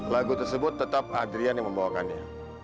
lagu tersebut tetap adrian yang membawakannya